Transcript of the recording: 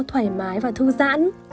thoải mái và thư giãn